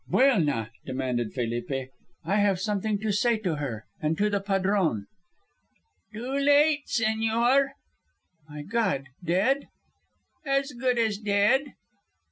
"Buelna," demanded Felipe. "I have something to say to her, and to the padron." "Too late, señor." "My God, dead?" "As good as dead."